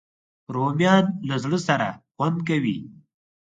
رومیان له زړه سره خوند کوي